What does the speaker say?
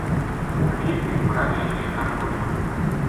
منیر نے گھوڑا لے کے کنک ما چھوڈ دِتا